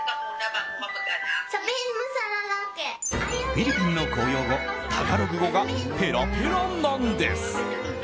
フィリピンの公用語タガログ語がペラペラなんです。